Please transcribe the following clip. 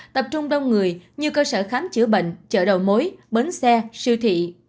tập trung đông người như cơ sở khám chữa bệnh chợ đầu mối bến xe siêu thị